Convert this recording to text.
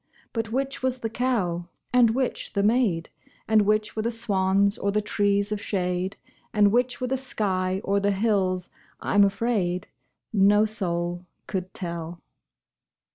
But which was the cow and which the maid, And which were the swans or the trees of shade, And which were the sky or the hills, I'm afraid, No soul could tell.